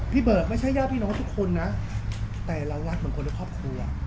เบิร์ดไม่ใช่ญาติพี่น้องทุกคนนะแต่เรารักเหมือนคนในครอบครัว